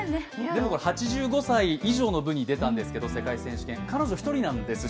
でも８５歳以上の部に出たんですけど、世界選手権、彼女１人なんです。